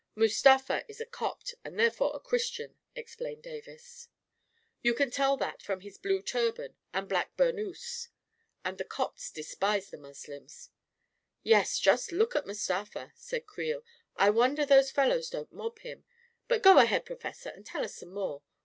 " Mustafa is a Copt, and therefore a Christian," explained Davis. " You can tell that from his blue i i A KING IN BABYLON ' 109 turban and black burnous. And the Copts despise the Muslims." " Yes — just look at Mustafa," said Creel. " I wonder those fellows don't mob him. But go ahead, professor, and tell us some more.